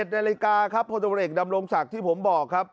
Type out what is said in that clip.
๑๑นาฬิกาครับพลตัวเหล็กดำรงสักที่ผมบอกครับ